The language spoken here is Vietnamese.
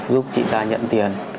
giúp chị ta nhận tiền